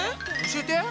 教えて！